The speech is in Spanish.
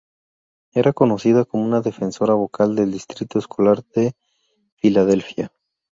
Era conocida como una defensora vocal del Distrito Escolar de Filadelfia.